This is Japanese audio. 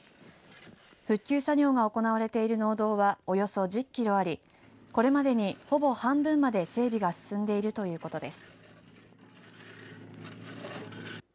復旧作業が行われている農道はおよそ１０キロありこれまでに、ほぼ半分まで整備が進んでいるということです。